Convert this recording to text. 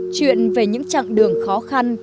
chuyện về những chặng đường khó khăn